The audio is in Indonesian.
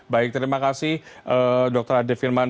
baik terima kasih dr ade firman